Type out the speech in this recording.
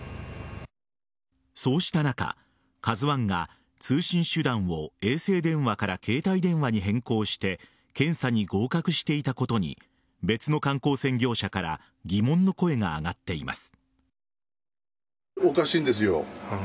そうした中「ＫＡＺＵ１」が通信手段を衛星電話から携帯電話に変更して検査に合格していたことに別の観光船業者から疑問の声が上がっています。